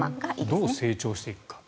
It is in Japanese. どう成長していくか。